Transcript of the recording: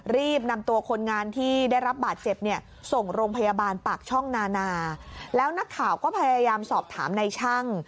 รีบนำตัวคนงานที่ได้รับบาดเจ็บเนี่ยส่งโรงพยาบาลปากช่องนานาแล้วนักข่าวก็พยายามสอบถามในช่าง